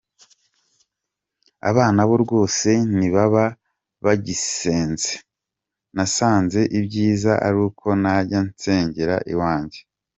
Abana bo rwose ntibaba bagisenze, nasanze ibyiza ari uko najya nsengera iwanjye”.